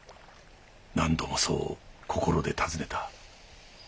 何度もそう心で尋ねた。